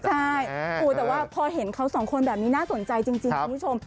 ใช่แต่ว่าพอเห็นเขาสองคนแบบนี้น่าสนใจจริงคุณผู้ชม